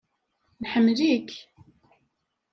Nḥemmel-ik.